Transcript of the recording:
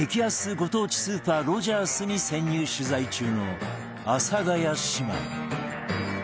ご当地スーパーロヂャースに潜入取材中の阿佐ヶ谷姉妹